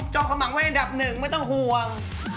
จอมขมังไว้อันดับหนึ่งไม่ต้องห่วง